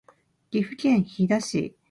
岐阜県飛騨市